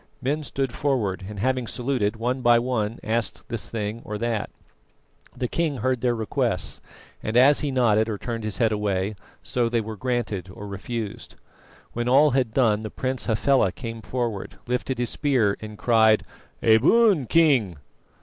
Men stood forward, and having saluted, one by one asked this thing or that. The king heard their requests, and as he nodded or turned his head away, so they were granted or refused. When all had done, the Prince Hafela came forward, lifted his spear, and cried: "A boon, King!"